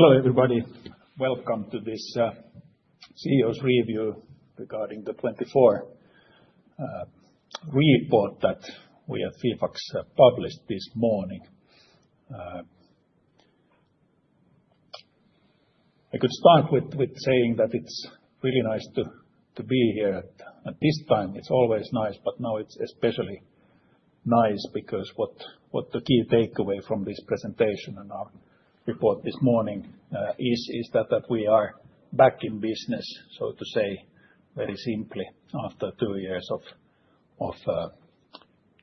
Hello everybody, welcome to this CEO's review regarding the 2024 report that we at FIFAX published this morning. I could start with saying that it's really nice to be here at this time. It's always nice, but now it's especially nice because what the key takeaway from this presentation and our report this morning is, is that we are back in business, so to say very simply, after two years of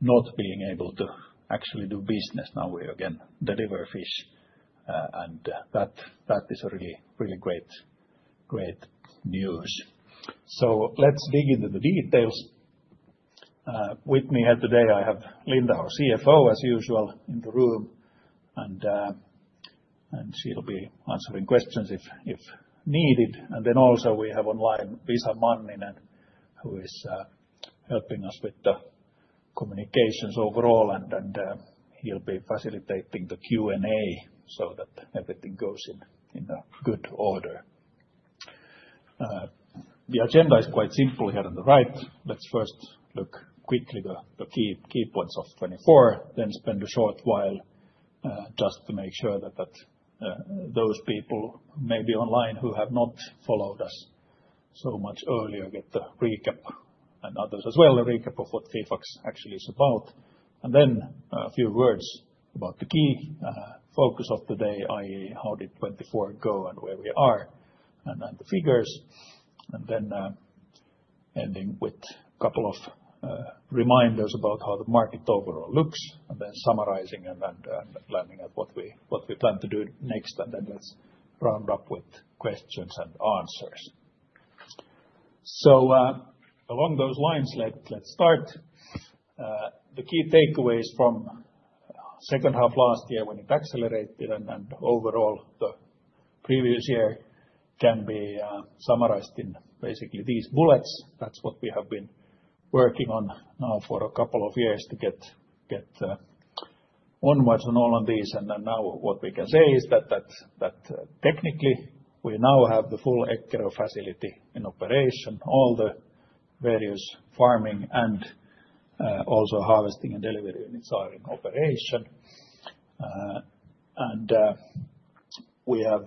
not being able to actually do business. Now we again deliver fish, and that is really, really great, great news. Let's dig into the details. With me here today, I have Linda, our CFO, as usual, in the room, and she'll be answering questions if needed. Also we have online Visa Manninen, who is helping us with the communications overall, and he'll be facilitating the Q&A so that everything goes in good order. The agenda is quite simple here on the right. Let's first look quickly at the key points of 2024, then spend a short while just to make sure that those people maybe online who have not followed us so much earlier get the recap, and others as well, the recap of what FIFAX actually is about. Then a few words about the key focus of the day, i.e., how did 2024 go and where we are, and then the figures. Then ending with a couple of reminders about how the market overall looks, and then summarizing and landing at what we plan to do next. Then let's round up with questions and answers. Along those lines, let's start. The key takeaways from the second half of last year when it accelerated, and overall the previous year can be summarized in basically these bullets. That's what we have been working on now for a couple of years to get onwards on all of these. What we can say is that technically we now have the full Eckerö facility in operation. All the various farming and also harvesting and delivery units are in operation. We have,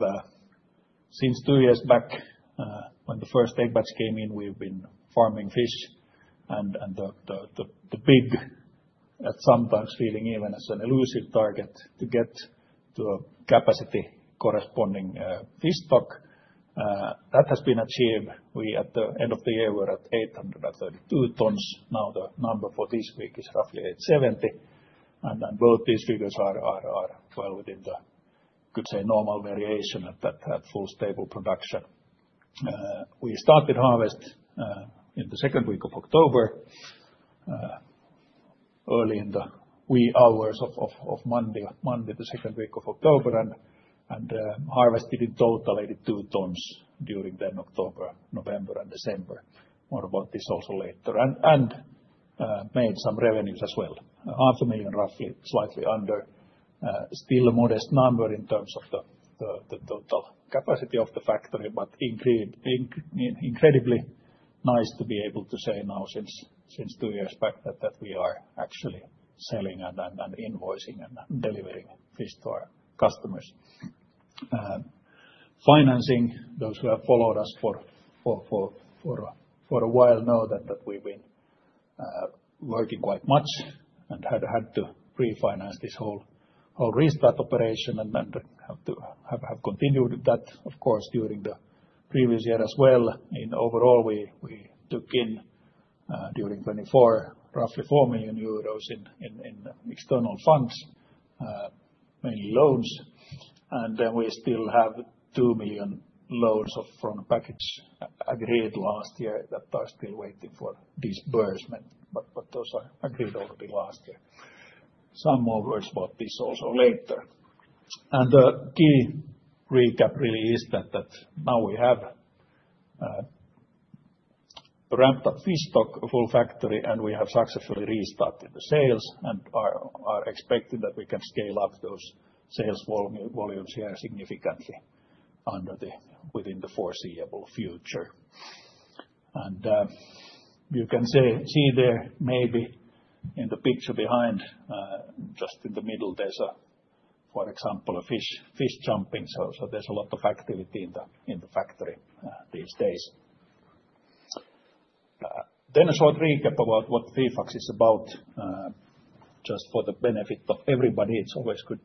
since two years back when the first egg batches came in, we've been farming fish, and the big at sometimes feeling even as an elusive target to get to a capacity corresponding fish stock. That has been achieved. We at the end of the year were at 832 tons. Now the number for this week is roughly 870. Both these figures are well within the, could say, normal variation at full stable production. We started harvest in the second week of October, early in the wee hours of Monday, the second week of October, and harvested in total 82 tons during then October, November, and December. More about this also later. Made some revenues as well. 500,000 roughly, slightly under. Still a modest number in terms of the total capacity of the factory, but incredibly nice to be able to say now since two years back that we are actually selling and invoicing and delivering fish to our customers. Financing, those who have followed us for a while know that we've been working quite much and had to refinance this whole restart operation and have continued that, of course, during the previous year as well. Overall, we took in during 2024 roughly 4 million euros in external funds, mainly loans. We still have 2 million loans from a package agreed last year that are still waiting for disbursement, but those were agreed already last year. Some more words about this also later. The key recap really is that now we have ramped up fish stock full factory, and we have successfully restarted the sales and are expecting that we can scale up those sales volumes here significantly within the foreseeable future. You can see there maybe in the picture behind, just in the middle, there is for example a fish jumping. There is a lot of activity in the factory these days. A short recap about what FIFAX is about, just for the benefit of everybody, it is always good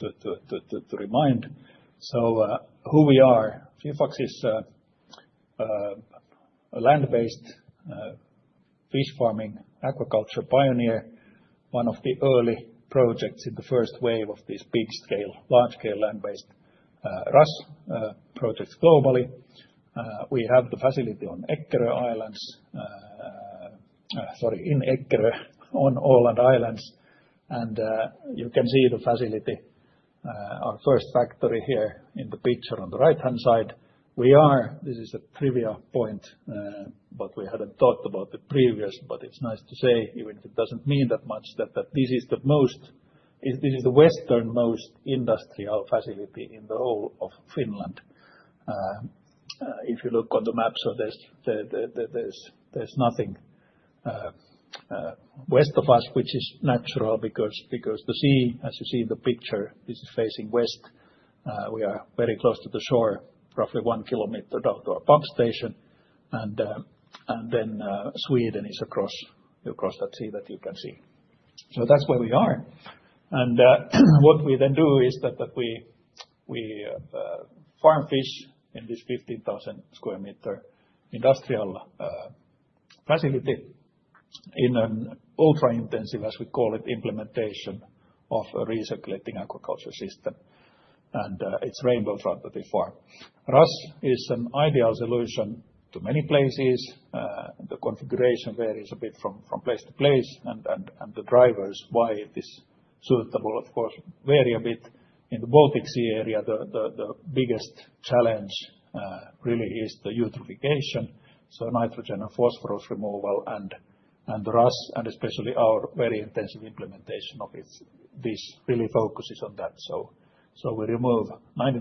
to remind. Who we are, FIFAX is a land-based fish farming aquaculture pioneer, one of the early projects in the first wave of these big scale, large scale land-based RAS projects globally. We have the facility in Eckerö on Åland Islands. You can see the facility, our first factory here in the picture on the right-hand side. This is a trivia point, but we had not thought about it previously, but it is nice to say, even if it does not mean that much, that this is the westernmost industrial facility in the whole of Finland. If you look on the map, there is nothing west of us, which is natural because the sea, as you see in the picture, this is facing west. We are very close to the shore, roughly 1 km down to our pump station. Sweden is across that sea that you can see. That is where we are. What we then do is that we farm fish in this 15,000 sq m industrial facility in an ultra intensive, as we call it, implementation of a recirculating aquaculture system. It is rainbow trout that we farm. RAS is an ideal solution to many places. The configuration varies a bit from place to place, and the drivers why it is suitable, of course, vary a bit. In the Baltic Sea area, the biggest challenge really is the eutrophication, so nitrogen and phosphorus removal and RAS, and especially our very intensive implementation of this, really focuses on that. We remove 99%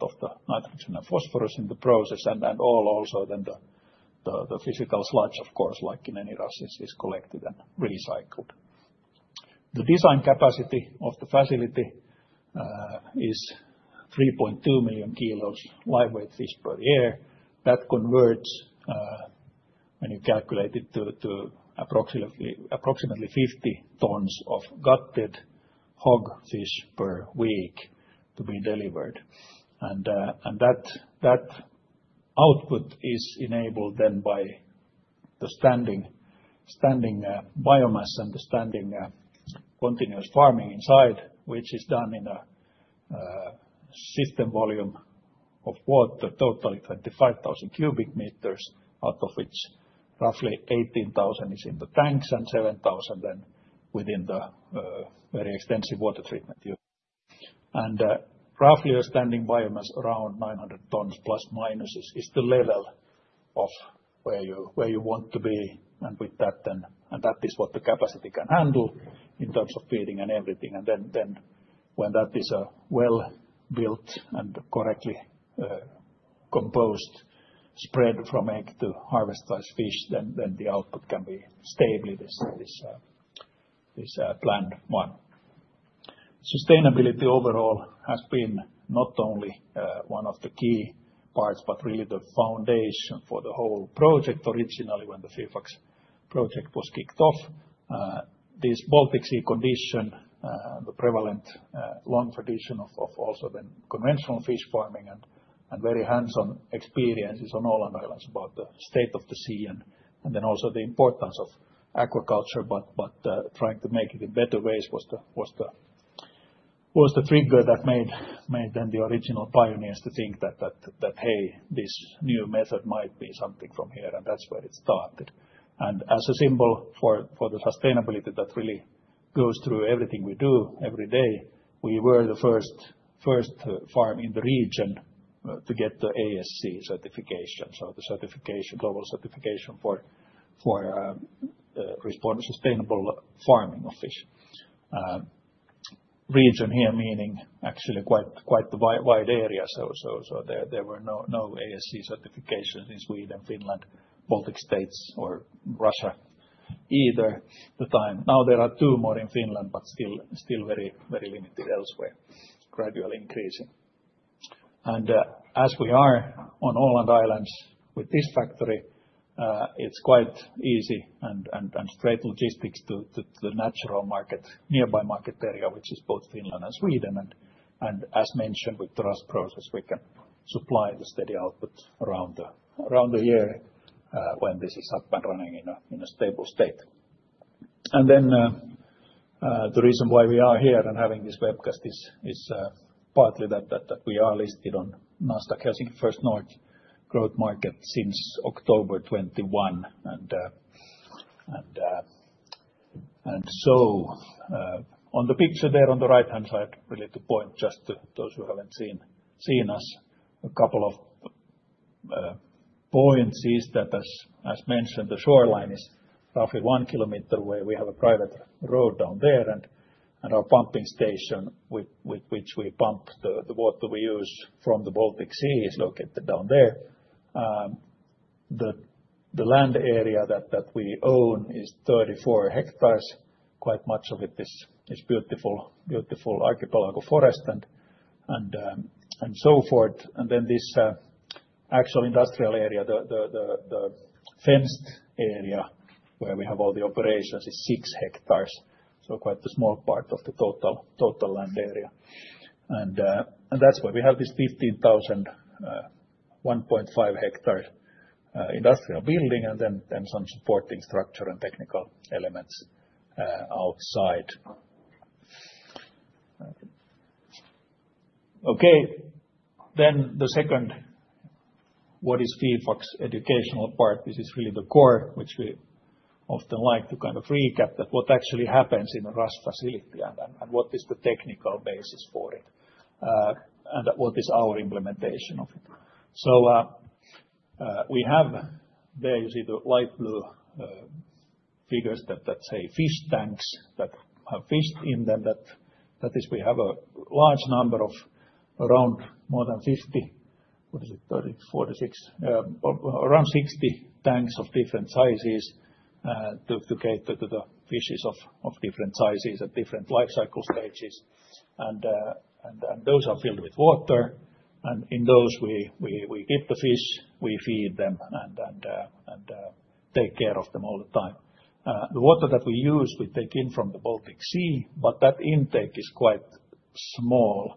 of the nitrogen and phosphorus in the process, and also then the physical sludge, of course, like in any RAS, is collected and recycled. The design capacity of the facility is 3.2 million kg live weight fish per year. That converts, when you calculate it, to approximately 50 tons of gutted hog fish per week to be delivered. That output is enabled then by the standing biomass and the standing continuous farming inside, which is done in a system volume of water totally 25,000 cubic meters, out of which roughly 18,000 is in the tanks and 7,000 then within the very extensive water treatment. Roughly a standing biomass around 900 tons plus minus is the level of where you want to be. With that then, and that is what the capacity can handle in terms of feeding and everything. When that is a well-built and correctly composed spread from egg to harvest size fish, then the output can be stably this planned one. Sustainability overall has been not only one of the key parts, but really the foundation for the whole project. Originally when the FIFAX project was kicked off, this Baltic Sea condition, the prevalent long tradition of also then conventional fish farming and very hands-on experiences on Åland Islands about the state of the sea and then also the importance of aquaculture, but trying to make it in better ways was the trigger that made then the original pioneers to think that, hey, this new method might be something from here. That is where it started. As a symbol for the sustainability that really goes through everything we do every day, we were the first farm in the region to get the ASC certification. The global certification for sustainable farming of fish. Region here meaning actually quite the wide area. There were no ASC certifications in Sweden, Finland, Baltic States, or Russia either at the time. Now there are two more in Finland, but still very limited elsewhere, gradually increasing. As we are on Åland Islands with this factory, it is quite easy and straight logistics to the natural market, nearby market area, which is both Finland and Sweden. As mentioned with the RAS process, we can supply the steady output around the year when this is up and running in a stable state. The reason why we are here and having this webcast is partly that we are listed on Nasdaq Helsinki First North Growth Market since October 2021. On the picture there on the right-hand side, really to point just to those who have not seen us, a couple of points is that as mentioned, the shoreline is roughly 1 km away. We have a private road down there, and our pumping station with which we pump the water we use from the Baltic Sea is located down there. The land area that we own is 34 hectares. Quite much of it is beautiful archipelago forest and so forth. The actual industrial area, the fenced area where we have all the operations, is 6 hectares. Quite a small part of the total land area. That is why we have this 15,000, 1.5 hectare industrial building and then some supporting structure and technical elements outside. Okay, then the second, what is FIFAX educational part, which is really the core, which we often like to kind of recap that what actually happens in a RAS facility and what is the technical basis for it and what is our implementation of it. We have there, you see the light blue figures that say fish tanks that have fish in them. That is, we have a large number of around more than 50, what is it, 30, 46, around 60 tanks of different sizes to cater to the fishes of different sizes at different life cycle stages. Those are filled with water. In those, we keep the fish, we feed them, and take care of them all the time. The water that we use, we take in from the Baltic Sea, but that intake is quite small,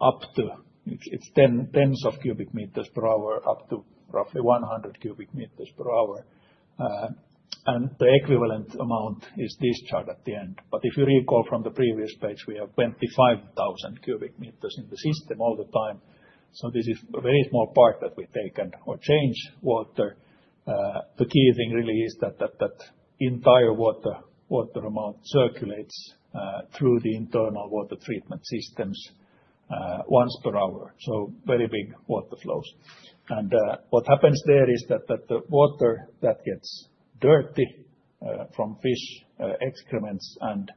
up to, it's tens of cu m/hr, up to roughly 100 cu m/hr. The equivalent amount is discharged at the end. If you recall from the previous page, we have 25,000 cu m in the system all the time. This is a very small part that we take and or change water. The key thing really is that entire water amount circulates through the internal water treatment systems once per hour. Very big water flows. What happens there is that the water that gets dirty from fish excrements and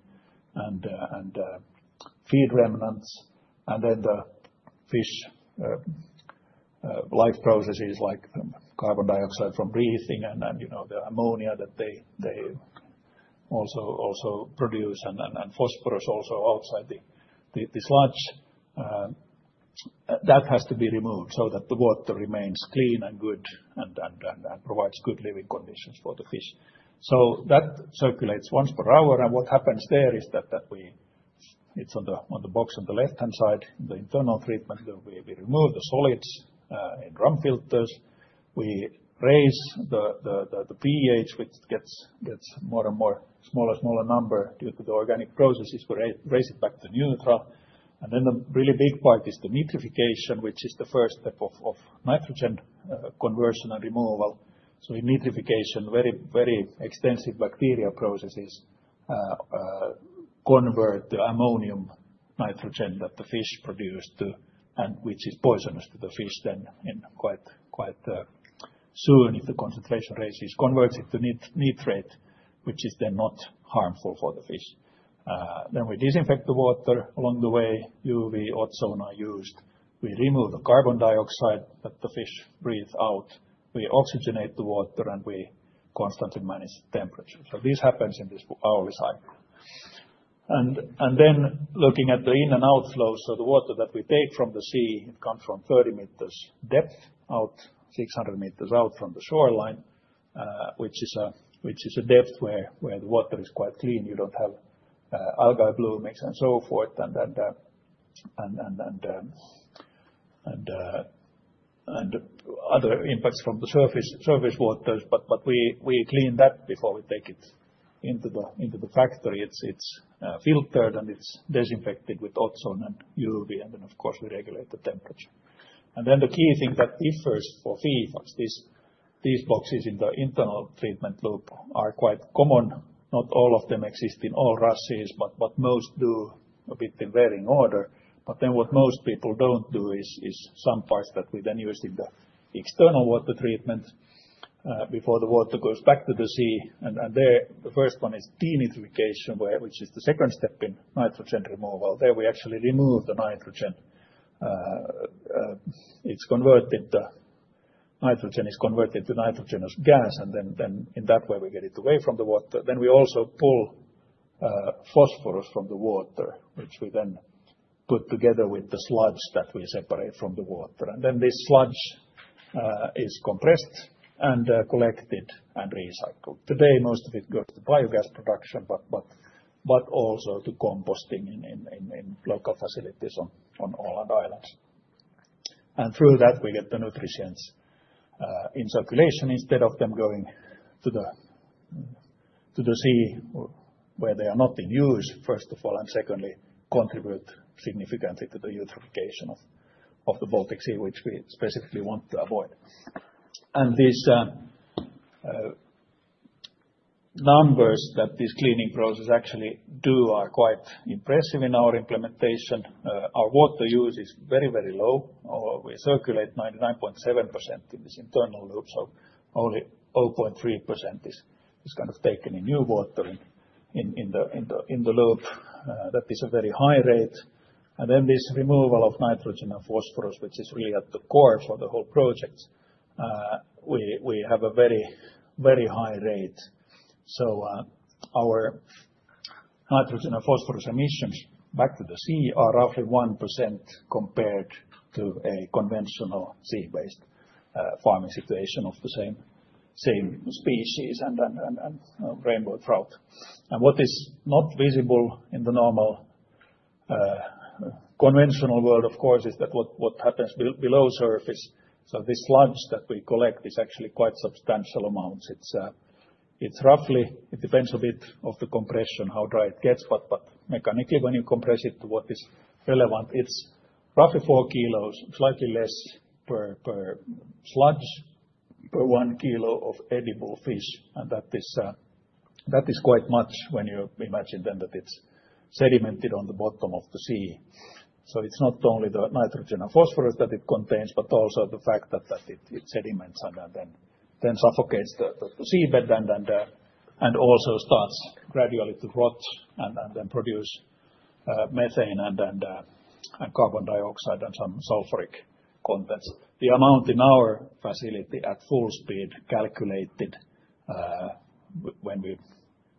feed remnants, and then the fish life processes like carbon dioxide from breathing and the ammonia that they also produce and phosphorus also outside the sludge, that has to be removed so that the water remains clean and good and provides good living conditions for the fish. That circulates once per hour. What happens there is that it's on the box on the left-hand side, the internal treatment, we remove the solids in drum filters. We raise the pH, which gets more and more smaller, smaller number due to the organic processes. We raise it back to neutral. The really big part is the nitrification, which is the first step of nitrogen conversion and removal. In nitrification, very, very extensive bacteria processes convert the ammonium nitrogen that the fish produce, which is poisonous to the fish quite soon if the concentration raises, converts it to nitrate, which is then not harmful for the fish. We disinfect the water along the way. UV, ozone are used. We remove the carbon dioxide that the fish breathe out. We oxygenate the water and we constantly manage the temperature. This happens in this hourly cycle. Looking at the in and outflows, the water that we take from the sea comes from 30 m depth out, 600 m out from the shoreline, which is a depth where the water is quite clean. You don't have algae bloomings and so forth and other impacts from the surface waters. We clean that before we take it into the factory. It's filtered and it's disinfected with ozone and UV. Of course, we regulate the temperature. The key thing that differs for FIFAX is these boxes in the internal treatment loop are quite common. Not all of them exist in all RASes, but most do a bit in varying order. What most people don't do is some parts that we then use in the external water treatment before the water goes back to the sea. There the first one is denitrification, which is the second step in nitrogen removal. There we actually remove the nitrogen. It's converted to nitrogen is converted to nitrogenous gas. In that way we get it away from the water. We also pull phosphorus from the water, which we then put together with the sludge that we separate from the water. This sludge is compressed and collected and recycled. Today most of it goes to biogas production, but also to composting in local facilities on Åland Islands. Through that we get the nutrients in circulation instead of them going to the sea where they are not in use, first of all, and secondly contribute significantly to the eutrophication of the Baltic Sea, which we specifically want to avoid. These numbers that this cleaning process actually do are quite impressive in our implementation. Our water use is very, very low. We circulate 99.7% in this internal loop. Only 0.3% is taken in as new water in the loop. That is a very high rate. This removal of nitrogen and phosphorus, which is really at the core for the whole project, we have a very, very high rate. Our nitrogen and phosphorus emissions back to the sea are roughly 1% compared to a conventional sea-based farming situation of the same species and rainbow trout. What is not visible in the normal conventional world, of course, is what happens below surface. This sludge that we collect is actually quite substantial amounts. It depends a bit on the compression, how dry it gets. Mechanically, when you compress it to what is relevant, it is roughly 4 kg, slightly less per sludge, per 1 kg of edible fish. That is quite much when you imagine then that it is sedimented on the bottom of the sea. It is not only the nitrogen and phosphorus that it contains, but also the fact that it sediments and then suffocates the seabed and also starts gradually to rot and then produce methane and carbon dioxide and some sulfuric contents. The amount in our facility at full speed calculated when we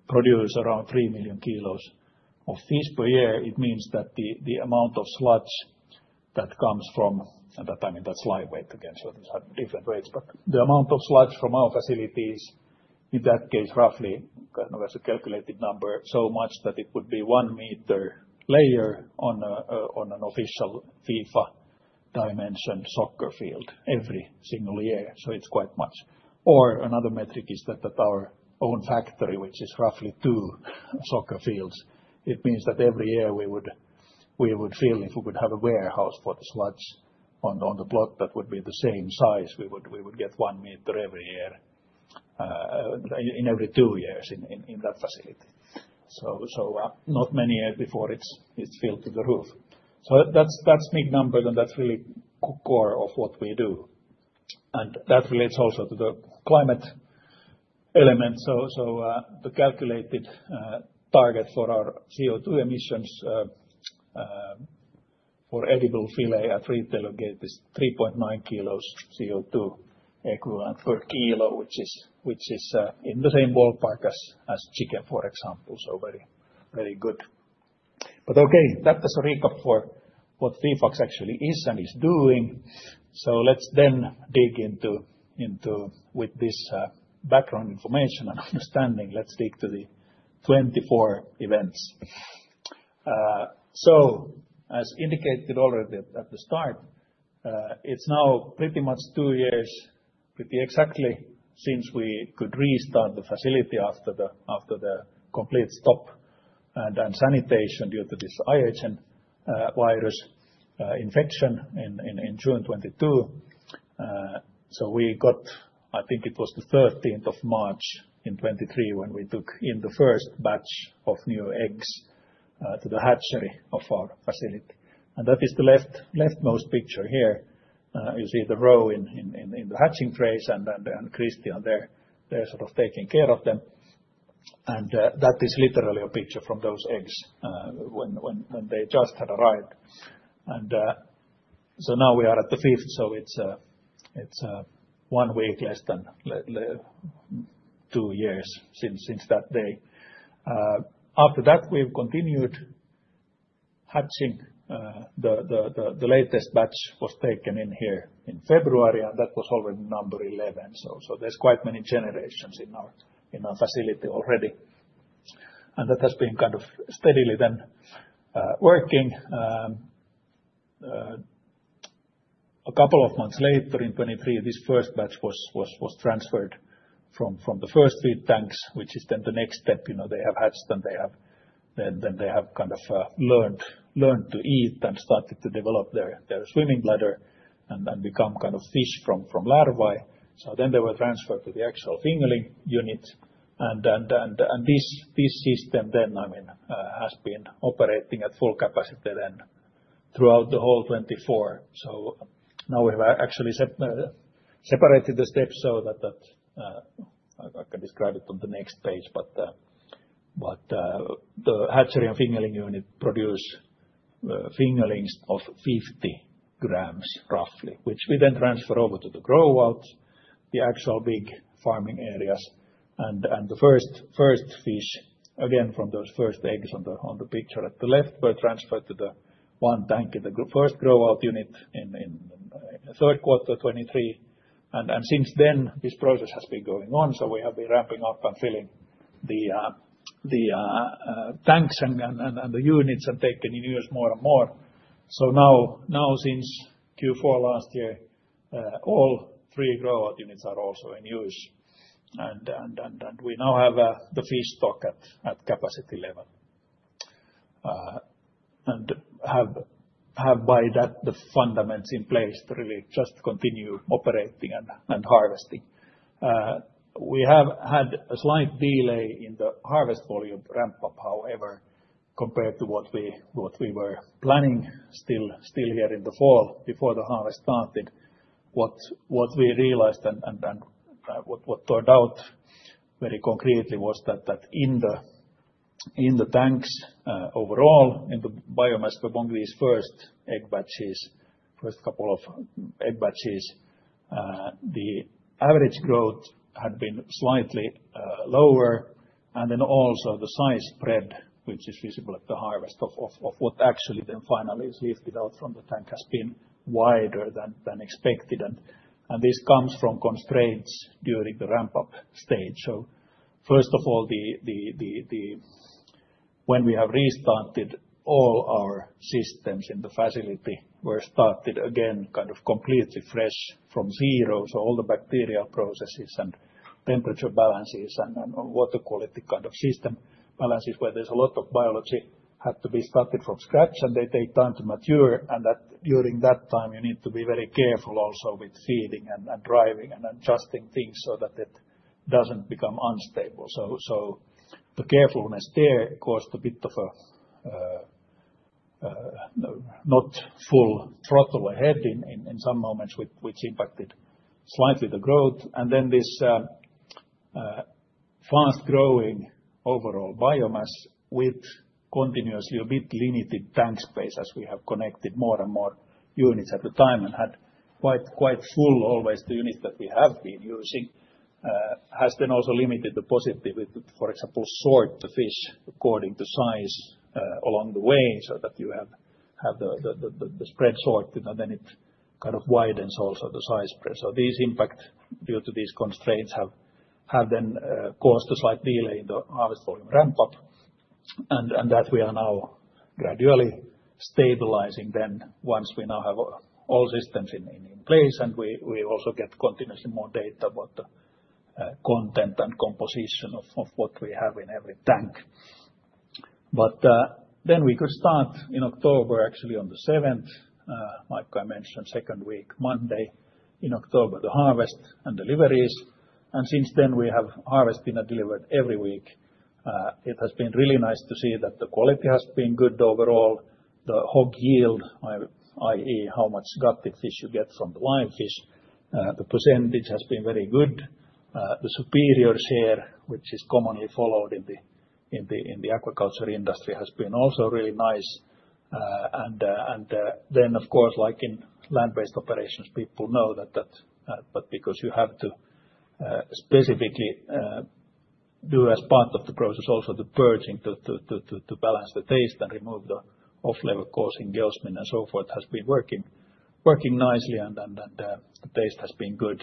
produce around 3 million kg of fish per year, it means that the amount of sludge that comes from, and that I mean that's lightweight again, so these are different weights, but the amount of sludge from our facilities in that case roughly kind of as a calculated number, so much that it would be one meter layer on an official FIFA dimension soccer field every single year. It is quite much. Another metric is that our own factory, which is roughly two soccer fields, it means that every year we would feel if we could have a warehouse for the sludge on the plot that would be the same size, we would get one meter every year in every two years in that facility. Not many years before it's filled to the roof. That's big numbers and that's really core of what we do. That relates also to the climate element. The calculated target for our CO2 emissions for edible fillet at retail gate is 3.9 kg CO2 equivalent per kilo, which is in the same ballpark as chicken, for example. Very good. That was a recap for what FIFAX actually is and is doing. Let's then dig into with this background information and understanding, let's dig to the 2024 events. As indicated already at the start, it's now pretty much two years exactly since we could restart the facility after the complete stop and sanitation due to this IHN virus infection in June 2022. We got, I think it was the 13th of March in 2023 when we took in the first batch of new eggs to the hatchery of our facility. That is the leftmost picture here. You see the row in the hatching trays and Christian there, they're sort of taking care of them. That is literally a picture from those eggs when they just had arrived. Now we are at the fifth, so it's one week less than two years since that day. After that, we've continued hatching. The latest batch was taken in here in February, and that was already number 11. There are quite many generations in our facility already. That has been kind of steadily then working. A couple of months later in 2023, this first batch was transferred from the first feed tanks, which is then the next step. They have hatched and then they have kind of learned to eat and started to develop their swimming bladder and become kind of fish from larvae. They were transferred to the actual fingerling unit. This system then, I mean, has been operating at full capacity then throughout the whole 2024. Now we have actually separated the steps so that I can describe it on the next page, but the hatchery and fingerling unit produce fingerlings of 50 grams roughly, which we then transfer over to the grow outs, the actual big farming areas. The first fish, again from those first eggs on the picture at the left, were transferred to one tank in the first grow-out unit in the 3rd quarter of 2023. Since then this process has been going on. We have been ramping up and filling the tanks and the units and taking in use more and more. Now since Q4 last year, all three grow-out units are also in use. We now have the fish stock at capacity level and have by that the fundaments in place to really just continue operating and harvesting. We have had a slight delay in the harvest volume ramp up, however, compared to what we were planning still here in the fall before the harvest started. What we realized and what turned out very concretely was that in the tanks overall, in the biomass for Bongvi's first egg batches, first couple of egg batches, the average growth had been slightly lower. The size spread, which is visible at the harvest of what actually then finally is lifted out from the tank, has been wider than expected. This comes from constraints during the ramp up stage. First of all, when we have restarted all our systems in the facility, we started again kind of completely fresh from zero. All the bacterial processes and temperature balances and water quality kind of system balances where there's a lot of biology had to be started from scratch and they take time to mature. During that time you need to be very careful also with feeding and driving and adjusting things so that it does not become unstable. The carefulness there caused a bit of a not full throttle ahead in some moments, which impacted slightly the growth. This fast growing overall biomass with continuously a bit limited tank space as we have connected more and more units at the time and had quite full always the units that we have been using, has then also limited the possibility to, for example, sort the fish according to size along the way so that you have the spread sorted and then it kind of widens also the size spread. These impacts due to these constraints have then caused a slight delay in the harvest volume ramp up. We are now gradually stabilizing then once we now have all systems in place and we also get continuously more data about the content and composition of what we have in every tank. We could start in October actually on the 7th, like I mentioned, second week, Monday in October the harvest and deliveries. Since then we have harvest been delivered every week. It has been really nice to see that the quality has been good overall. The hog yield, i.e., how much gutted fish you get from the live fish, the percentage has been very good. The superior share, which is commonly followed in the aquaculture industry, has been also really nice. Of course, like in land-based operations, people know that because you have to specifically do as part of the process also the purging to balance the taste and remove the off-flavor causing geosmin and so forth has been working nicely and the taste has been good.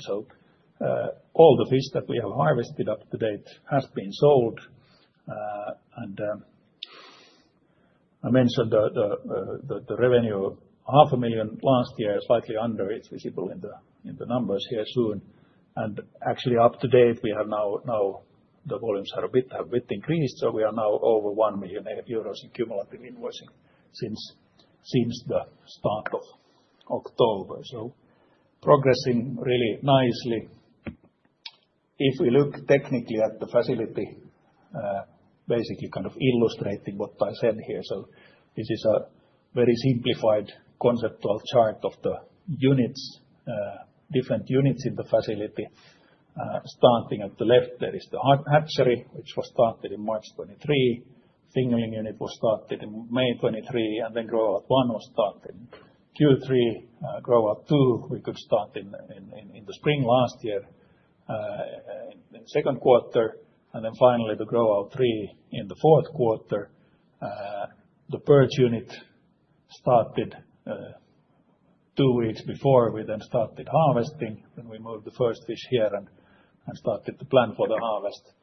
All the fish that we have harvested up to date has been sold. I mentioned the revenue, 500,000 last year, slightly under, it's visible in the numbers here soon. Actually up to date we have now the volumes have a bit increased. We are now over 1,000,000 euros in cumulative invoicing since the start of October. Progressing really nicely. If we look technically at the facility, basically kind of illustrating what I said here. This is a very simplified conceptual chart of the units, different units in the facility. Starting at the left, there is the hatchery, which was started in March 2023. Fingerling unit was started in May 2023 and then grow out one was started. Q3, grow out two, we could start in the spring last year in the 2nd quarter. Finally, the grow out three in the 4th quarter. The purge unit started two weeks before we then started harvesting. We moved the first fish here and started to plan for the harvest.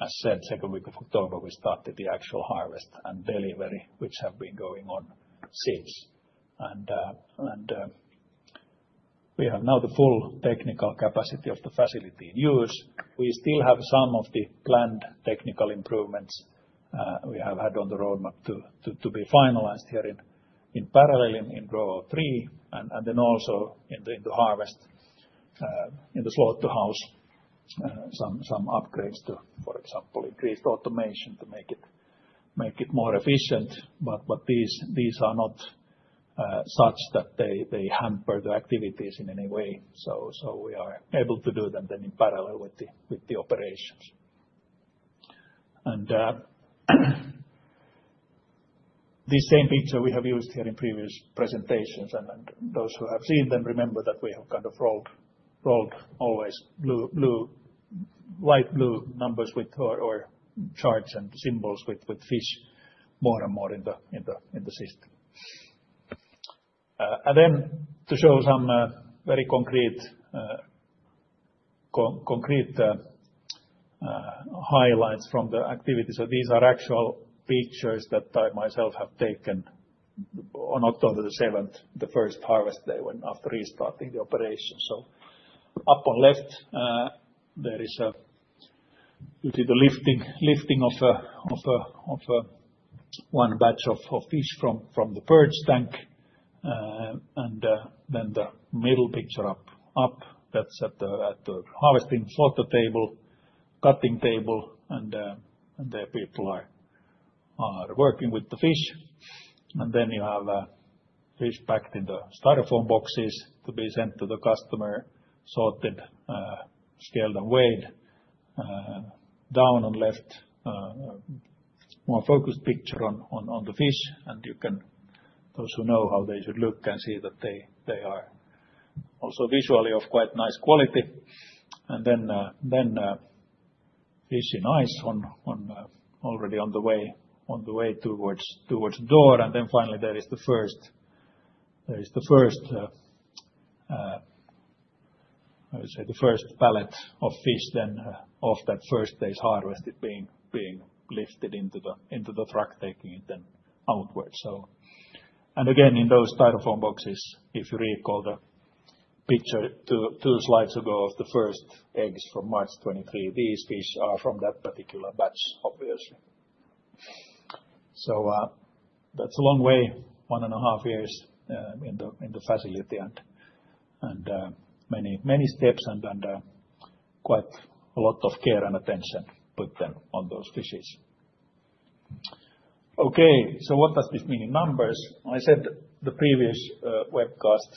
As said, second week of October, we started the actual harvest and delivery, which have been going on since. We have now the full technical capacity of the facility in use. We still have some of the planned technical improvements we have had on the roadmap to be finalized here in parallel in grow out three. Then also in the harvest, in the slaughterhouse, some upgrades to, for example, increased automation to make it more efficient. These are not such that they hamper the activities in any way. We are able to do them in parallel with the operations. This same picture we have used here in previous presentations. Those who have seen them remember that we have kind of rolled always light blue numbers or charts and symbols with fish more and more in the system. Then to show some very concrete highlights from the activity. These are actual pictures that I myself have taken on October the 7th, the first harvest day after restarting the operation. Up on left, there is the lifting of one batch of fish from the purge tank. The middle picture up, that's at the harvesting slot table, cutting table, and there people are working with the fish. You have fish packed in the styrofoam boxes to be sent to the customer, sorted, scaled, and weighed. Down on left, more focused picture on the fish. You can, those who know how they should look can see that they are also visually of quite nice quality. Fish in ice already on the way towards the door. Finally, there is the first, I would say the first pallet of fish then of that first day's harvest being lifted into the truck, taking it then outwards. Again, in those styrofoam boxes, if you recall the picture two slides ago of the first eggs from March 2023, these fish are from that particular batch, obviously. That is a long way, one and a half years in the facility and many steps and quite a lot of care and attention put then on those fishes. Okay, what does this mean in numbers? I said in the previous webcast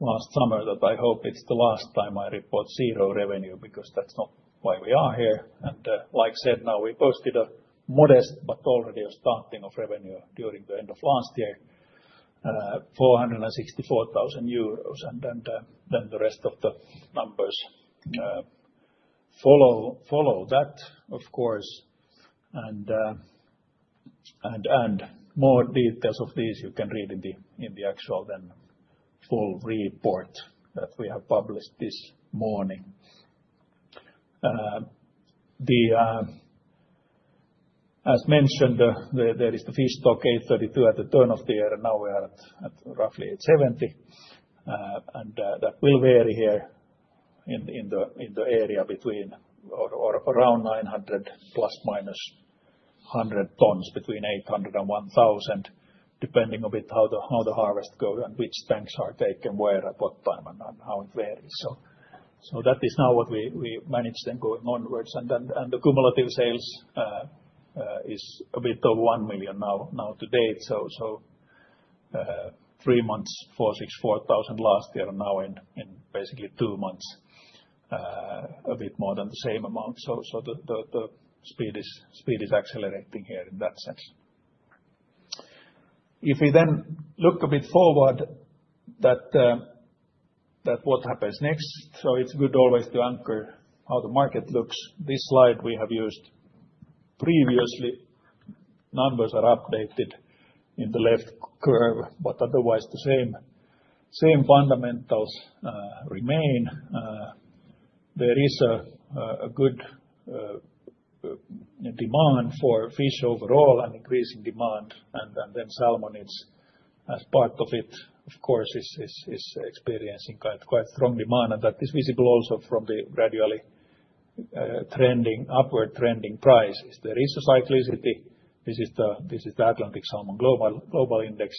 last summer that I hope it is the last time I report zero revenue because that is not why we are here. Like I said, now we posted a modest but already a starting of revenue during the end of last year, 464,000 euros. The rest of the numbers follow that, of course. More details of these you can read in the actual full report that we have published this morning. As mentioned, there is the fish stock 832 at the turn of the year, and now we are at roughly 870. That will vary here in the area between around 900 ±100 tons, between 800 and 1,000, depending a bit how the harvest goes and which tanks are taken, where at what time and how it varies. That is now what we managed then going onwards. The cumulative sales is a bit over 1 million now to date. Three months, 464,000 last year and now in basically two months, a bit more than the same amount. The speed is accelerating here in that sense. If we then look a bit forward, what happens next? It is good always to anchor how the market looks. This slide we have used previously. Numbers are updated in the left curve, but otherwise the same fundamentals remain. There is a good demand for fish overall and increasing demand. Salmonids as part of it, of course, is experiencing quite strong demand. That is visible also from the gradually upward trending prices. There is a cyclicity. This is the Atlantic Salmon Global Index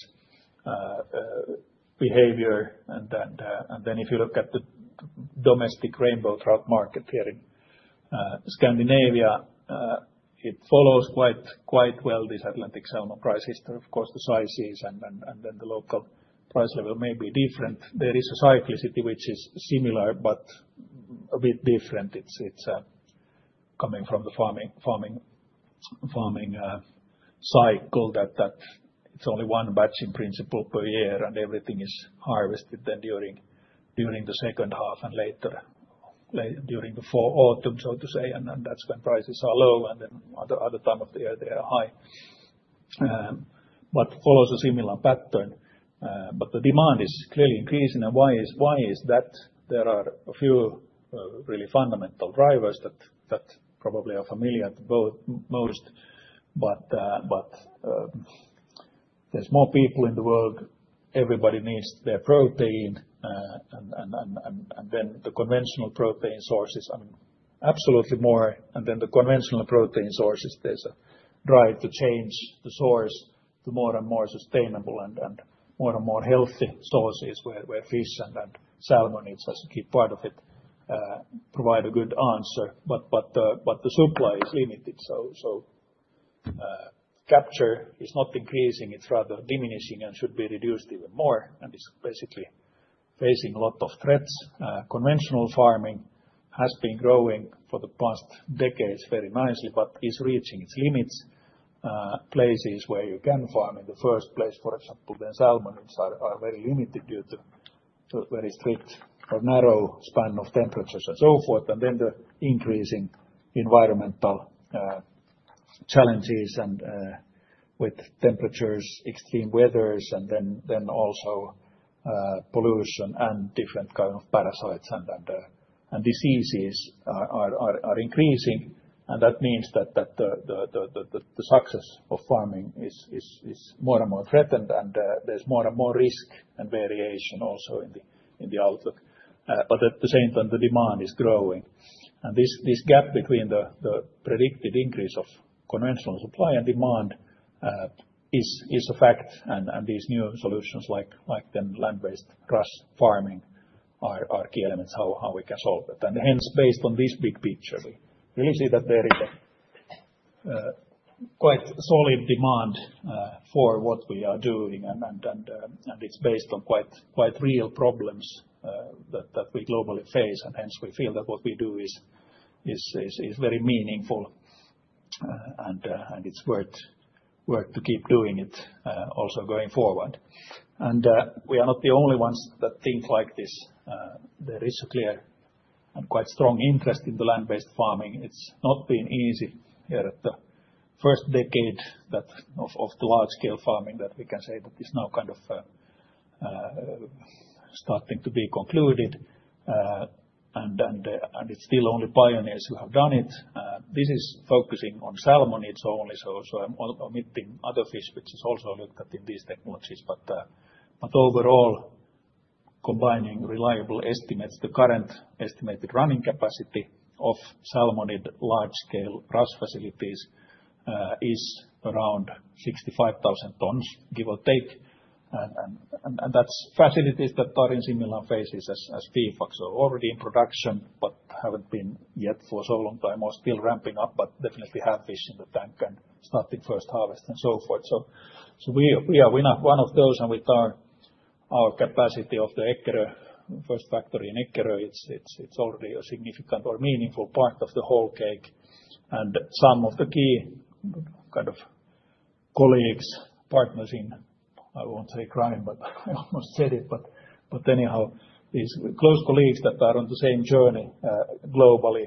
behavior. If you look at the domestic rainbow trout market here in Scandinavia, it follows quite well this Atlantic Salmon price history. Of course, the sizes and the local price level may be different. There is a cyclicity which is similar but a bit different. It's coming from the farming cycle that it's only one batch in principle per year and everything is harvested then during the second half and later during the fall, autumn, so to say. That's when prices are low and at other times of the year they are high. It follows a similar pattern. The demand is clearly increasing. Why is that? There are a few really fundamental drivers that probably are familiar to most. There are more people in the world. Everybody needs their protein. The conventional protein sources are absolutely more. The conventional protein sources, there is a drive to change the source to more and more sustainable and more and more healthy sources where fish and salmonids as a key part of it provide a good answer. The supply is limited. Capture is not increasing. It is rather diminishing and should be reduced even more. It is basically facing a lot of threats. Conventional farming has been growing for the past decades very nicely, but is reaching its limits. Places where you can farm in the first place, for example, salmonids are very limited due to very strict or narrow span of temperatures and so forth. The increasing environmental challenges with temperatures, extreme weathers, and also pollution and different kinds of parasites and diseases are increasing. That means that the success of farming is more and more threatened and there is more and more risk and variation also in the outlook. At the same time, the demand is growing. This gap between the predicted increase of conventional supply and demand is a fact. These new solutions like land-based RAS farming are key elements in how we can solve it. Based on this big picture, we really see that there is a quite solid demand for what we are doing. It is based on quite real problems that we globally face. We feel that what we do is very meaningful and it is worth to keep doing it also going forward. We are not the only ones that think like this. There is a clear and quite strong interest in the land-based farming. It's not been easy here at the first decade of the large-scale farming that we can say that is now kind of starting to be concluded. It's still only pioneers who have done it. This is focusing on salmonids only. I am omitting other fish, which is also looked at in these technologies. Overall, combining reliable estimates, the current estimated running capacity of salmonid large-scale RAS facilities is around 65,000 tons, give or take. That's facilities that are in similar phases as FIFAX, so already in production but have not been yet for so long time or still ramping up, but definitely have fish in the tank and starting first harvest and so forth. We are one of those and with our capacity of the Eckerö, first factory in Eckerö, it's already a significant or meaningful part of the whole cake. Some of the key kind of colleagues, partners in, I won't say crime, but I almost said it. Anyhow, these close colleagues that are on the same journey globally,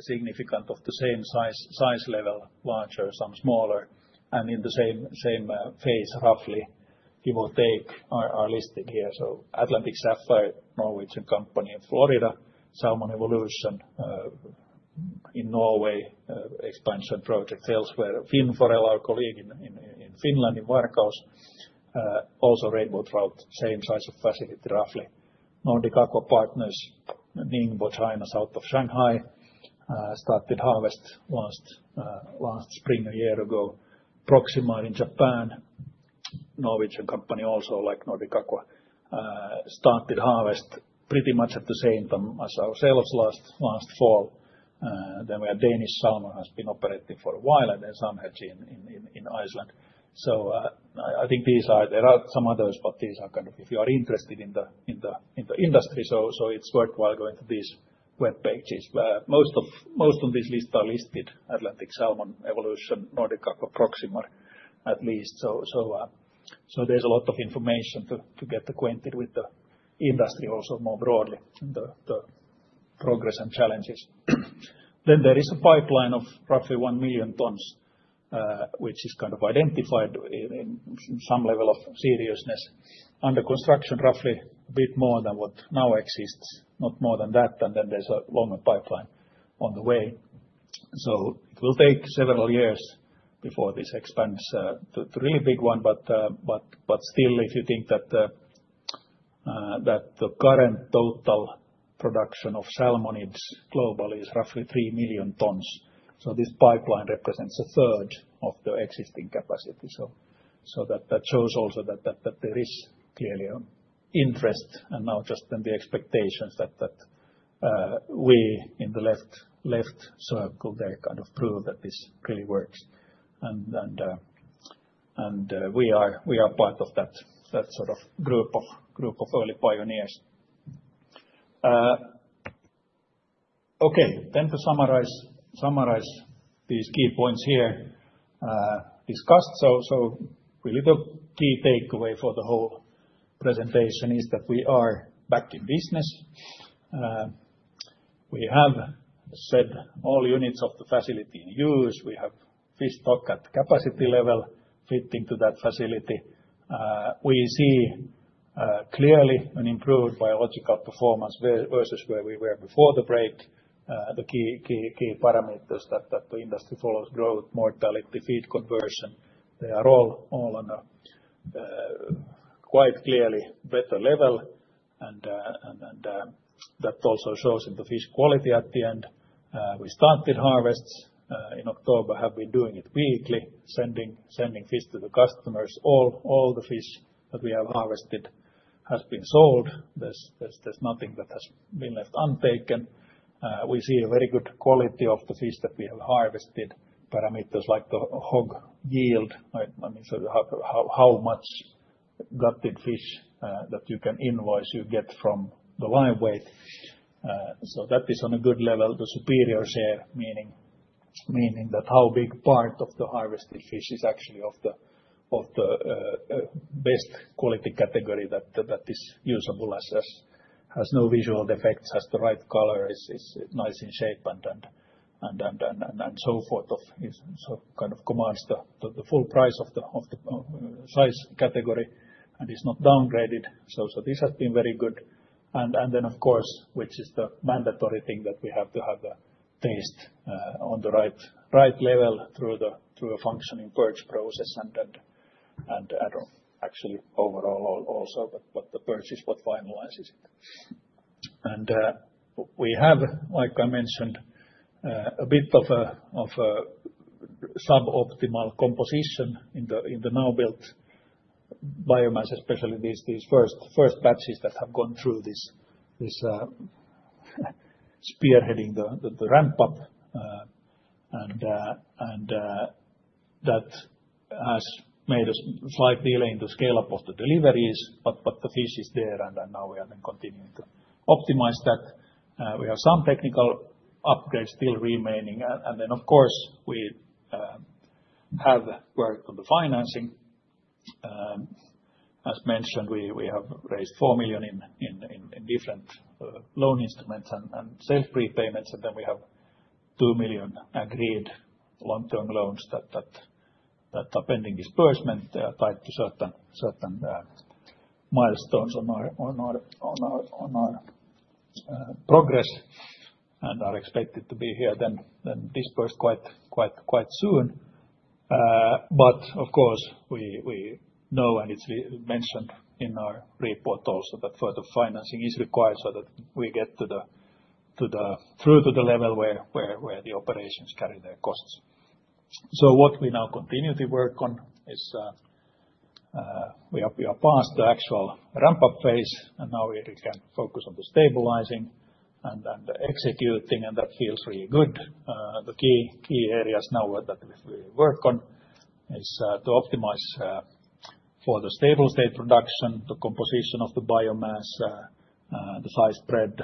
significant of the same size level, larger, some smaller, and in the same phase roughly, give or take, are listed here. Atlantic Sapphire, Norwegian company in Florida, Salmon Evolution in Norway, expansion projects elsewhere. Finnforel, our colleague in Finland in Varkaus, also rainbow trout, same size of facility roughly. Nordic Aqua Partners, Ningbo China south of Shanghai, started harvest last spring a year ago. Proxima in Japan, Norwegian company also like Nordic Aqua, started harvest pretty much at the same time as ourselves last fall. Danish Salmon has been operating for a while and then some have been in Iceland. I think these are, there are some others, but these are kind of, if you are interested in the industry, it is worthwhile going to these web pages. Most of these are listed, Atlantic Sapphire, Salmon Evolution, Nordic Aqua, Proxima at least. There is a lot of information to get acquainted with the industry also more broadly and the progress and challenges. There is a pipeline of roughly 1 million tons, which is kind of identified in some level of seriousness. Under construction, roughly a bit more than what now exists, not more than that. There is a longer pipeline on the way. It will take several years before this expands to really big one. Still, if you think that the current total production of salmonids globally is roughly 3 million tons, this pipeline represents a third of the existing capacity. That shows also that there is clearly an interest and now just then the expectations that we in the left circle there kind of prove that this really works. We are part of that sort of group of early pioneers. Okay, to summarize these key points here discussed. Really the key takeaway for the whole presentation is that we are back in business. We have said all units of the facility in use. We have fish stock at capacity level fitting to that facility. We see clearly an improved biological performance versus where we were before the break. The key parameters that the industry follows—growth, mortality, feed conversion—they are all on a quite clearly better level. That also shows in the fish quality at the end. We started harvests in October, have been doing it weekly, sending fish to the customers. All the fish that we have harvested has been sold. There is nothing that has been left untaken. We see a very good quality of the fish that we have harvested. Parameters like the hog yield, I mean, so how much gutted fish that you can invoice you get from the live weight. That is on a good level. The superior share meaning that how big part of the harvested fish is actually of the best quality category that is usable, has no visual defects, has the right color, is nice in shape, and so forth. It kind of commands the full price of the size category and is not downgraded. This has been very good. Of course, which is the mandatory thing, we have to have a taste on the right level through a functioning purge process. I don't know actually overall also, but the purge is what finalizes it. We have, like I mentioned, a bit of a suboptimal composition in the now built biomass, especially these first batches that have gone through this spearheading the ramp-up. That has made a slight delay in the scale-up of the deliveries, but the fish is there and now we are then continuing to optimize that. We have some technical upgrades still remaining. Of course, we have worked on the financing. As mentioned, we have raised 4 million in different loan instruments and self-prepayments. We have 2 million agreed long-term loans that are pending disbursement. They are tied to certain milestones on our progress and are expected to be here then disbursed quite soon. Of course, we know and it's mentioned in our report also that further financing is required so that we get through to the level where the operations carry their costs. What we now continue to work on is we are past the actual ramp-up phase and now we can focus on the stabilizing and executing and that feels really good. The key areas now that we work on is to optimize for the stable state production, the composition of the biomass, the size spread,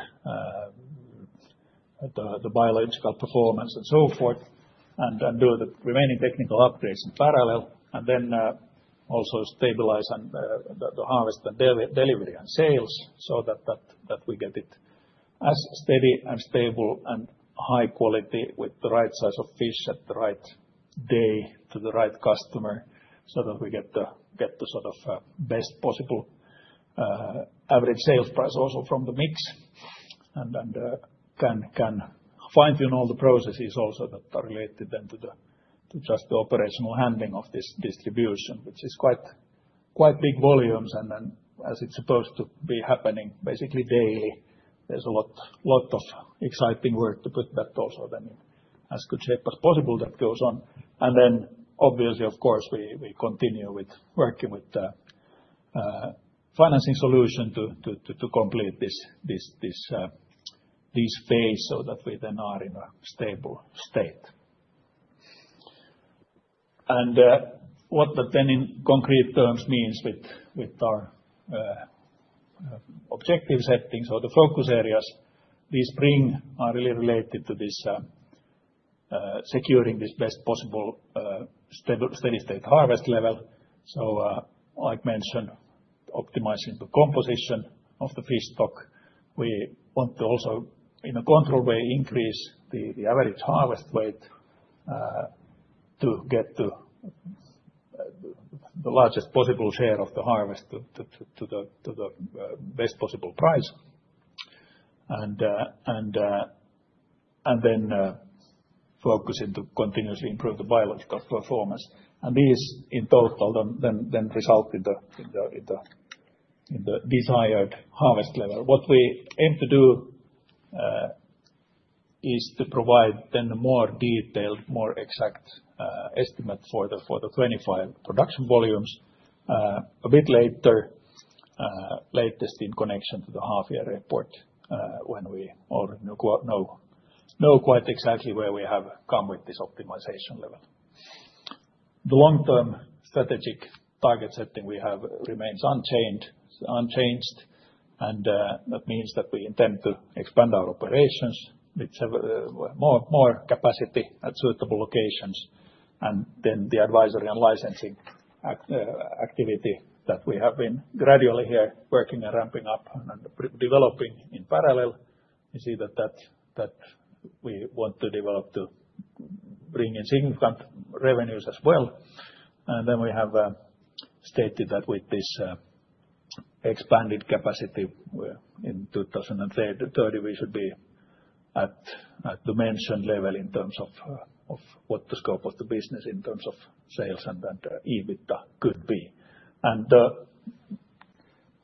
the biological performance and so forth. Do the remaining technical upgrades in parallel. We also stabilize the harvest and delivery and sales so that we get it as steady and stable and high quality with the right size of fish at the right day to the right customer so that we get the sort of best possible average sales price also from the mix. We can fine-tune all the processes also that are related then to just the operational handling of this distribution, which is quite big volumes. As it is supposed to be happening basically daily, there is a lot of exciting work to put that also then in as good shape as possible that goes on. Obviously, of course, we continue with working with the financing solution to complete this phase so that we then are in a stable state. What that then in concrete terms means with our objective settings or the focus areas, these bring are really related to securing this best possible steady state harvest level. Like mentioned, optimizing the composition of the fish stock. We want to also in a control way increase the average harvest weight to get to the largest possible share of the harvest to the best possible price. Focusing to continuously improve the biological performance. These in total then result in the desired harvest level. What we aim to do is to provide then a more detailed, more exact estimate for the 2025 production volumes a bit later, latest in connection to the half-year report when we already know quite exactly where we have come with this optimization level. The long-term strategic target setting we have remains unchanged. That means that we intend to expand our operations with more capacity at suitable locations. The advisory and licensing activity that we have been gradually here working and ramping up and developing in parallel, you see that we want to develop to bring in significant revenues as well. We have stated that with this expanded capacity in 2030, we should be at the mentioned level in terms of what the scope of the business in terms of sales and EBITDA could be. The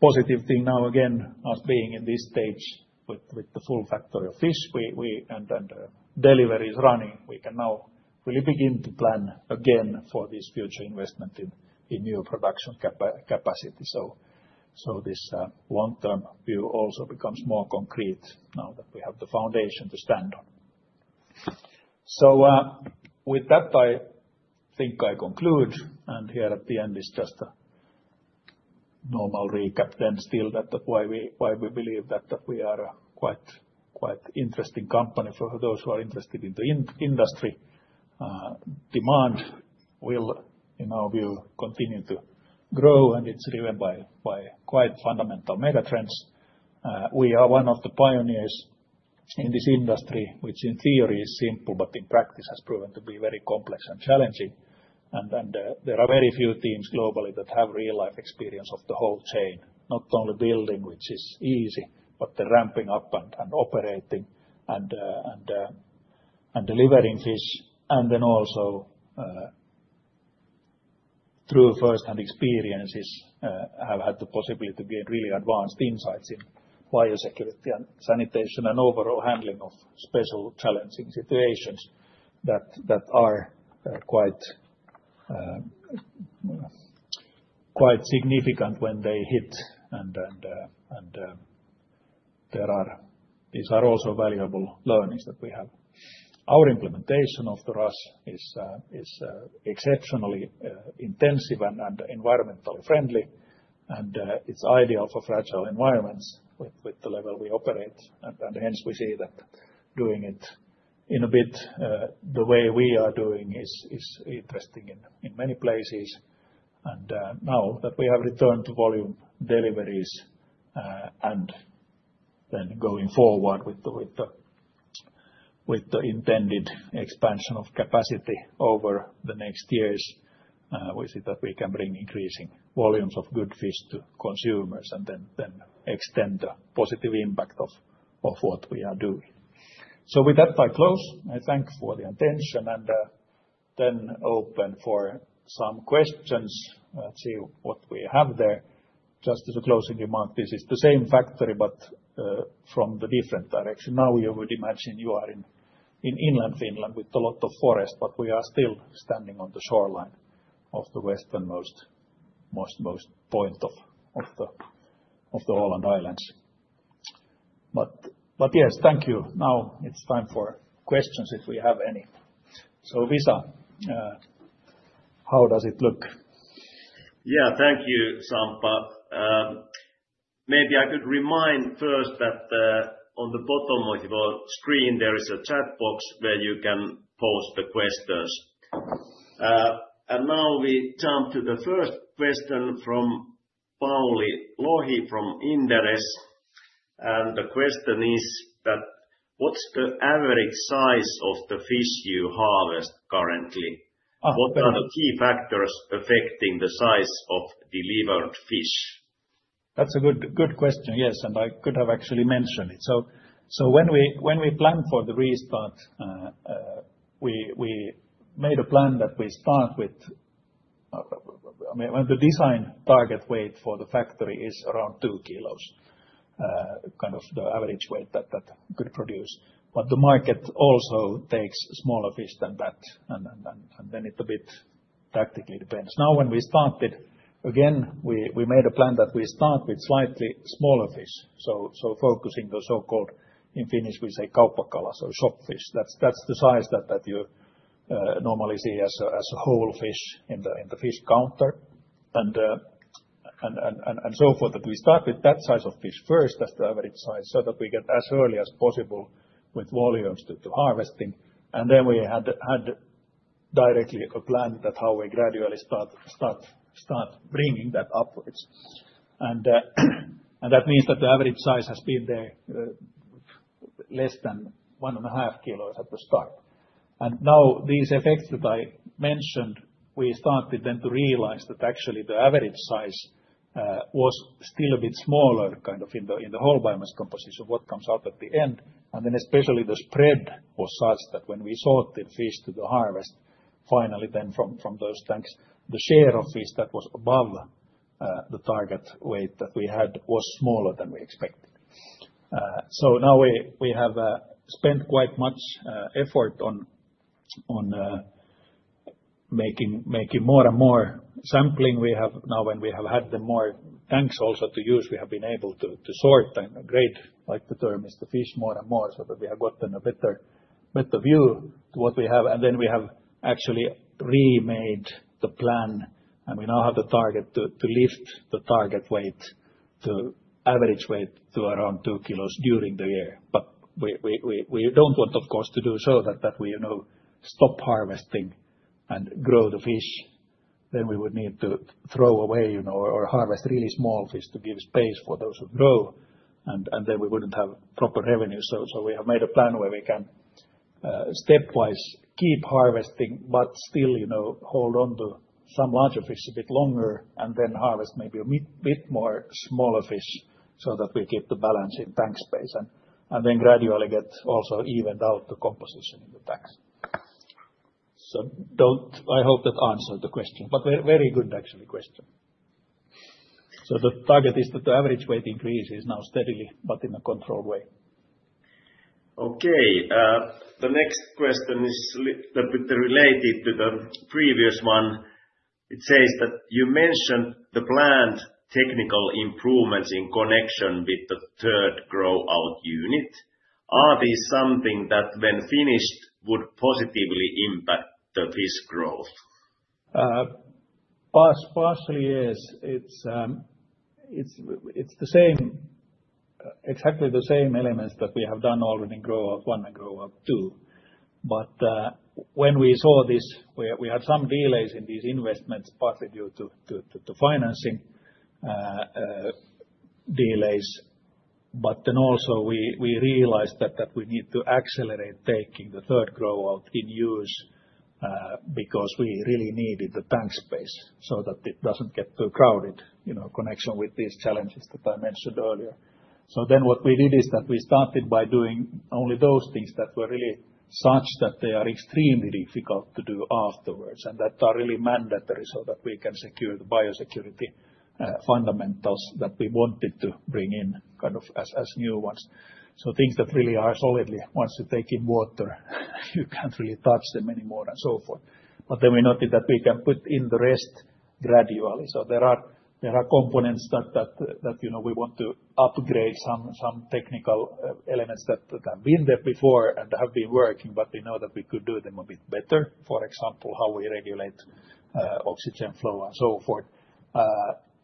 positive thing now again as being in this stage with the full factory of fish and delivery is running, we can now really begin to plan again for this future investment in new production capacity. This long-term view also becomes more concrete now that we have the foundation to stand on. With that, I think I conclude. Here at the end is just a normal recap that why we believe that we are a quite interesting company for those who are interested in the industry. Demand will, in our view, continue to grow and it's driven by quite fundamental megatrends. We are one of the pioneers in this industry, which in theory is simple, but in practice has proven to be very complex and challenging. There are very few teams globally that have real-life experience of the whole chain, not only building, which is easy, but the ramping up and operating and delivering fish. Through first-hand experiences, we have had the possibility to gain really advanced insights in biosecurity and sanitation and overall handling of special challenging situations that are quite significant when they hit. These are also valuable learnings that we have. Our implementation of the RAS is exceptionally intensive and environmentally friendly. It is ideal for fragile environments with the level we operate. We see that doing it in a bit the way we are doing is interesting in many places. Now that we have returned to volume deliveries and going forward with the intended expansion of capacity over the next years, we see that we can bring increasing volumes of good fish to consumers and extend the positive impact of what we are doing. With that, I close. I thank you for the attention and open for some questions. Let's see what we have there. Just as a closing remark, this is the same factory, but from the different direction. Now you would imagine you are in inland Finland with a lot of forest, but we are still standing on the shoreline of the western most point of the Åland Islands. Yes, thank you. Now it's time for questions if we have any. Visa, how does it look? Yeah, thank you, Samppa. Maybe I could remind first that on the bottom of your screen, there is a chat box where you can post the questions. Now we jump to the first question from Pauli Lohi from Inderes. The question is that what's the average size of the fish you harvest currently? What are the key factors affecting the size of delivered fish? That's a good question, yes. I could have actually mentioned it. When we planned for the restart, we made a plan that we start with the design target weight for the factory is around 2 kilos, kind of the average weight that could produce. The market also takes smaller fish than that. It a bit tactically depends. Now when we started again, we made a plan that we start with slightly smaller fish. Focusing the so-called in Finnish, we say kauppakala or shop fish. That's the size that you normally see as a whole fish in the fish counter. We start with that size of fish first as the average size so that we get as early as possible with volumes to harvesting. We had directly a plan that how we gradually start bringing that upwards. That means that the average size has been there less than 1.5 kg at the start. Now these effects that I mentioned, we started then to realize that actually the average size was still a bit smaller kind of in the whole biomass composition, what comes out at the end. Especially the spread was such that when we sorted fish to the harvest, finally then from those tanks, the share of fish that was above the target weight that we had was smaller than we expected. Now we have spent quite much effort on making more and more sampling. Now when we have had more tanks also to use, we have been able to sort and grade the fish more and more so that we have gotten a better view to what we have. We have actually remade the plan. We now have the target to lift the target weight, the average weight, to around 2 kg during the year. We do not want, of course, to do so that we stop harvesting and grow the fish. Then we would need to throw away or harvest really small fish to give space for those to grow. We would not have proper revenue. We have made a plan where we can stepwise keep harvesting, but still hold on to some larger fish a bit longer and then harvest maybe a bit more smaller fish so that we keep the balance in tank space. We gradually get also evened out the composition in the tanks. I hope that answered the question. Very good actually question. The target is that the average weight increase is now steadily, but in a controlled way. Okay. The next question is a bit related to the previous one. It says that you mentioned the planned technical improvements in connection with the third grow-out unit. Are these something that when finished would positively impact the fish growth? Partially, yes. It's exactly the same elements that we have done already in grow-out one and grow-out two. When we saw this, we had some delays in these investments, partly due to financing delays. Also, we realized that we need to accelerate taking the third grow-out in use because we really needed the tank space so that it doesn't get too crowded in connection with these challenges that I mentioned earlier. What we did is that we started by doing only those things that were really such that they are extremely difficult to do afterwards and that are really mandatory so that we can secure the biosecurity fundamentals that we wanted to bring in kind of as new ones. Things that really are solidly, once you take in water, you can't really touch them anymore and so forth. We noted that we can put in the rest gradually. There are components that we want to upgrade, some technical elements that have been there before and have been working, but we know that we could do them a bit better. For example, how we regulate oxygen flow and so forth.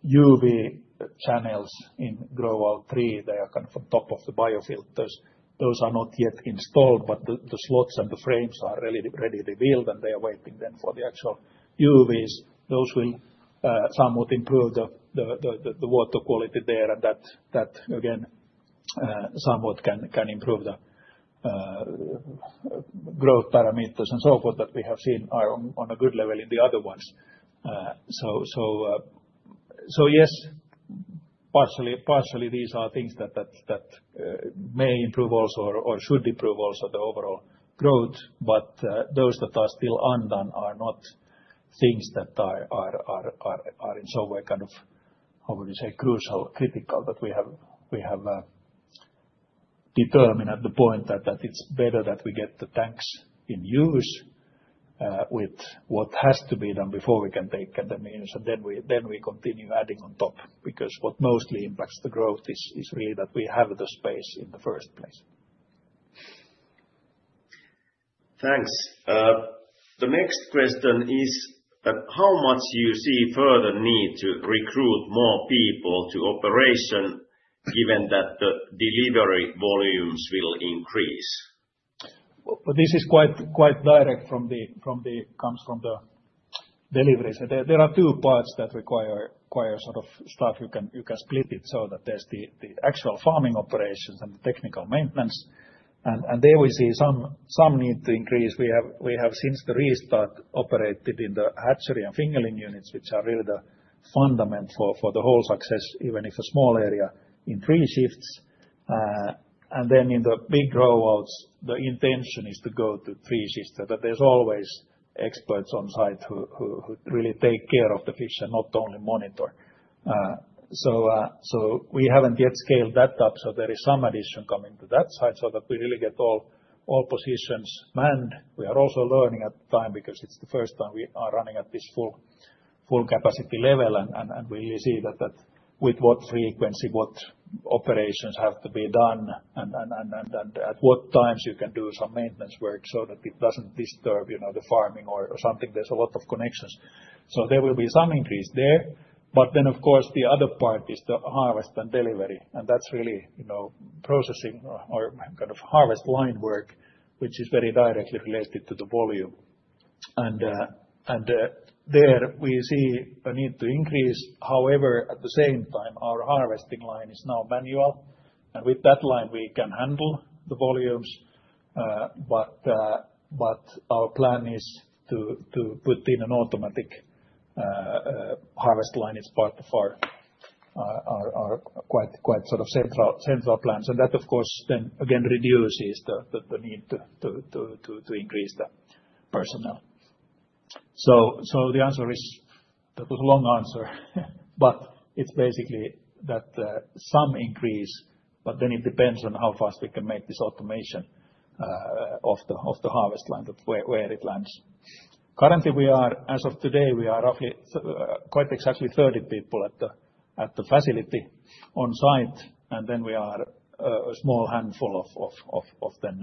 UV channels in grow-out three, they are kind of on top of the biofilters. Those are not yet installed, but the slots and the frames are ready to build and they are waiting then for the actual UVs. Those will somewhat improve the water quality there and that again somewhat can improve the growth parameters and so forth that we have seen are on a good level in the other ones. Yes, partially these are things that may improve also or should improve also the overall growth. Those that are still undone are not things that are in some way kind of, how would you say, crucial, critical that we have determined at the point that it's better that we get the tanks in use with what has to be done before we can take them in use. We continue adding on top because what mostly impacts the growth is really that we have the space in the first place. Thanks. The next question is how much you see further need to recruit more people to operation given that the delivery volumes will increase? This is quite direct from the deliveries. There are two parts that require sort of staff. You can split it so that there's the actual farming operations and the technical maintenance. There we see some need to increase. We have since the restart operated in the hatchery and fingerling units, which are really the fundament for the whole success, even if a small area, in three shifts. In the big grow-outs, the intention is to go to three shifts so that there's always experts on site who really take care of the fish and not only monitor. We haven't yet scaled that up. There is some addition coming to that side so that we really get all positions manned. We are also learning at the time because it's the first time we are running at this full capacity level. We really see that with what frequency, what operations have to be done, and at what times you can do some maintenance work so that it doesn't disturb the farming or something. There's a lot of connections. There will be some increase there. Of course, the other part is the harvest and delivery. That's really processing or kind of harvest line work, which is very directly related to the volume. There we see a need to increase. However, at the same time, our harvesting line is now manual. With that line, we can handle the volumes. Our plan is to put in an automatic harvest line. It's part of our quite sort of central plans. That, of course, then again reduces the need to increase the personnel. The answer is that was a long answer. It is basically that some increase, but it depends on how fast we can make this automation of the harvest line where it lands. Currently, as of today, we are roughly quite exactly 30 people at the facility on site. We are a small handful of then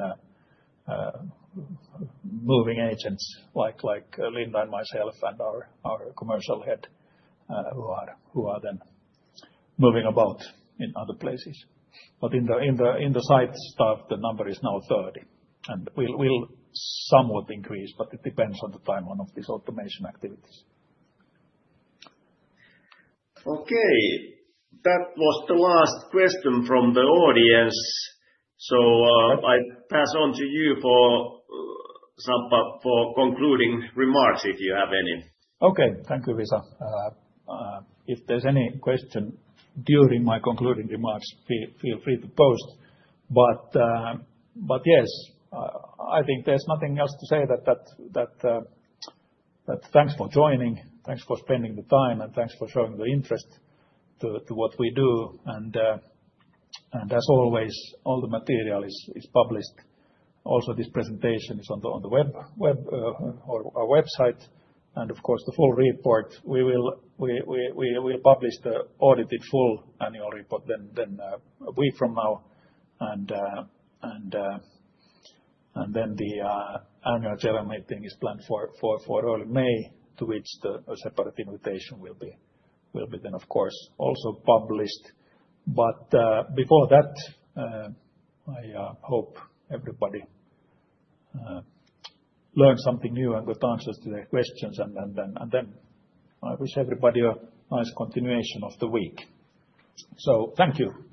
moving agents like Linda and myself and our commercial head who are then moving about in other places. In the site staff, the number is now 30. It will somewhat increase, but it depends on the timing of these automation activities. Okay. That was the last question from the audience. I pass on to you, Samppa, for concluding remarks if you have any. Okay. Thank you, Visa. If there is any question during my concluding remarks, feel free to post. Yes, I think there is nothing else to say. Thanks for joining. Thanks for spending the time. Thanks for showing the interest to what we do. As always, all the material is published. Also, this presentation is on the web or our website. Of course, the full report, we will publish the audited full annual report a week from now. The annual general meeting is planned for early May, to which a separate invitation will be also published. Before that, I hope everybody learned something new and got answers to their questions. I wish everybody a nice continuation of the week. Thank you.